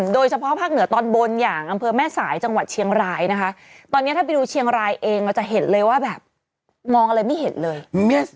โดยเฉพาะภาคเหนือตอนบนอย่างอำเภอแม่สายจังหวัดเชียงรายนะคะตอนนี้ถ้าไปดูเชียงรายเองเราจะเห็นเลยว่าแบบมองอะไรไม่เห็นเลย